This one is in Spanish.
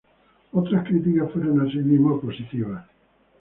Otras críticas fueron, así mismo, positivas.